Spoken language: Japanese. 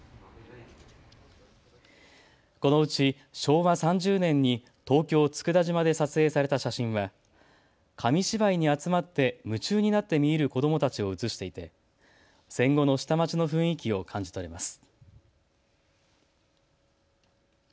このうち昭和３０年に東京佃島で撮影された写真は紙芝居に集まって夢中になって見入る子どもたちを写していて戦後の下町の雰囲気を感じ取れます。